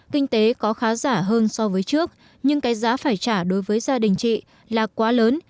kinh tế có khá giả hơn so với trước nhưng cái giá phải trả đối với gia đình chị là quá lớn